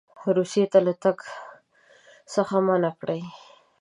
روسیې ته له تګ څخه منع کړي.